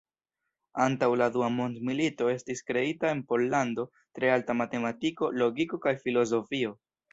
Antaŭ la dua mondmilito estis kreita en Pollando tre alta matematiko, logiko kaj filozofio.